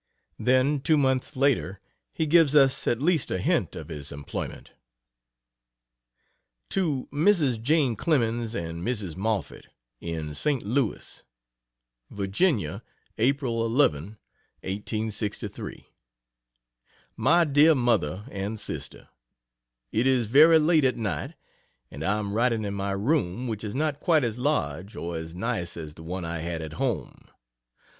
Then two months later he gives us at least a hint of his employment. To Mrs. Jane Clemens and Mrs. Moffett, in St. Louis: VIRGINIA, April 11, 1863. MY DEAR MOTHER AND SISTER, It is very late at night, and I am writing in my room, which is not quite as large or as nice as the one I had at home.